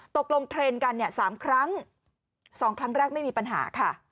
ตกลงเทรนด์กันเนี่ย๓ครั้ง๒ครั้งแรกไม่มีปัญหาค่ะ